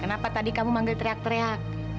kenapa tadi kamu manggil teriak teriak